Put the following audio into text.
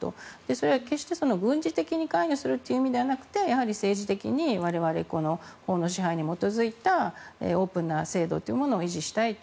それは決して、軍事的に関与するという意味ではなくて政治的に我々法の支配に基づいたオープンな制度というものを維持したいと。